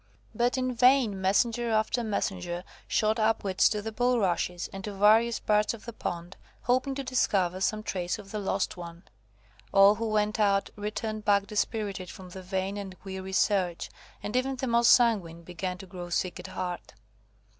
But in vain messenger after messenger shot upwards to the bulrushes, and to various parts of the pond, hoping to discover some trace of the lost one. All who went out, returned back dispirited from the vain and weary search, and even the most sanguine began to grow sick at heart.